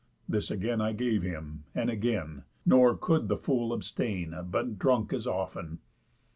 This again I gave him, and again; nor could the fool abstain, But drunk as often.